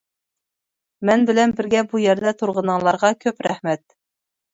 مەن بىلەن بىرگە بۇ يەردە تۇرغىنىڭلارغا كۆپ رەھمەت!